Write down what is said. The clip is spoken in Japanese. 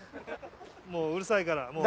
もううるさいからもう。